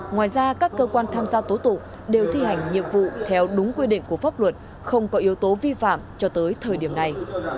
ngoài ra các cơ quan tham gia tố tụng đều thi hành nhiệm vụ theo đúng quy định của pháp luật không có yếu tố vi phạm cho tới thời điểm này